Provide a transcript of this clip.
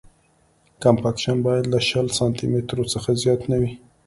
کمپکشن باید له شل سانتي مترو څخه زیات نه وي